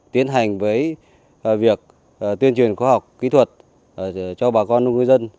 tiến hành với việc tuyên truyền khoa học kỹ thuật cho bà con ngư dân